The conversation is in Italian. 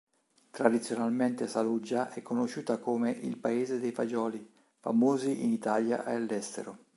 Tradizionalmente, Saluggia è conosciuta come "il paese dei fagioli", famosi in Italia e all'estero.